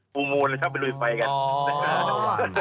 ปูโมนเข้าไปลุยไฟกัน